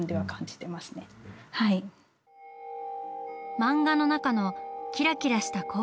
漫画の中のキラキラした高校生活。